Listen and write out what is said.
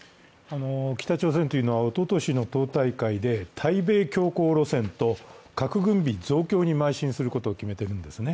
北朝鮮というのはおととしの党大会で対米強硬路線と核軍備増強にまい進することを決めているんですね。